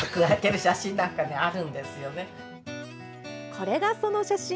これが、その写真。